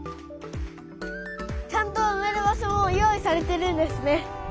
ちゃんとうめる場所も用意されてるんですね。